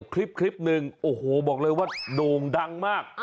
คลิปหนึ่งโอ้โหบอกเลยว่าโด่งดังมาก